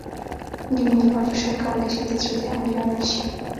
د وینې لوړ فشار کولای شي د زړه د حملې لامل شي.